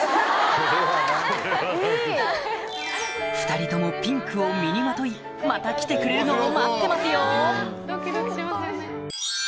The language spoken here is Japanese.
２人ともピンクを身にまといまた来てくれるのを待ってますよ！